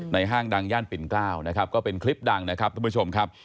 ห้างดังย่านปิ่นเกล้านะครับก็เป็นคลิปดังนะครับทุกผู้ชมครับ